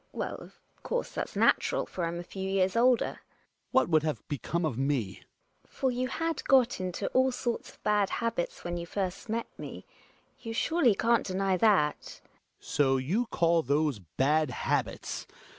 Well, of course, that's natural, for I'm a few years older. Hjalmar. What would have become of me I 96 THE WILD BUCK. GiNA. For you had got into all sorts of bad habits when you first met me ; you surely can't deny that. Hjalmar. So you call those bad habits